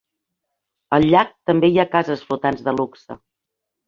Al llac també hi ha cases flotants de luxe.